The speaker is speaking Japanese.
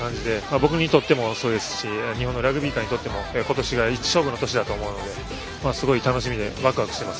僕にとってもそうですし日本のラグビー界にとっても今年が勝負の年だと思いますのですごく楽しみでワクワクしています。